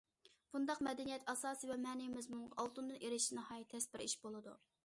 بۇنداق مەدەنىيەت ئاساسى ۋە مەنىۋى مەزمۇنغا ئالتۇندىن ئېرىشىش ناھايىتى تەس بىر ئىش بولىدۇ.